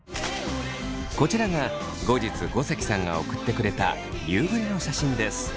こちらが後日ごせきさんが送ってくれた夕暮れの写真です。